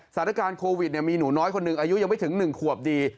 สถานการณ์โควิดมีหนูน้อยคนหนึ่งอายุยังไม่ถึง๑ขวบดี